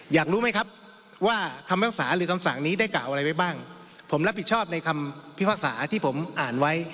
อยากรู้ไหมครับว่าคำพิพากษาหรือคำสั่งนี้ได้กล่าวอะไรไว้บ้างผมรับผิดชอบในคำพิพากษาที่ผมอ่านไว้